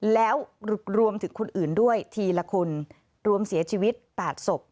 แล้วรวมถึงคนอื่นด้วยทีละคนรวมเสียชีวิต๘ศพ